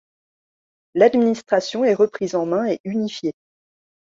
L'administration est reprise en main et unifiée.